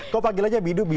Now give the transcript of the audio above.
kok panggil aja bidu